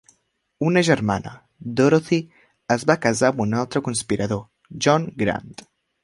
Una germana, Dorothy, es va casar amb un altre conspirador, John Grant.